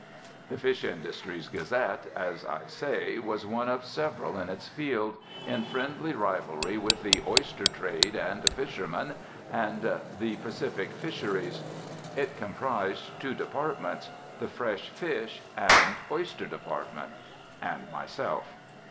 The Fish Industries Gazette, as I say, was one of several in its field, in friendly rivalry with The Oyster Trade and Fisherman and The Pacific Fisheries. It comprized two departments: the fresh fish and oyster department, and myself.